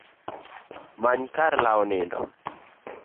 Many kar lawo nindo